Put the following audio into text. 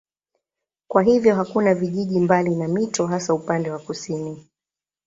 Kwa hiyo hakuna vijiji mbali na mito hasa upande wa kusini.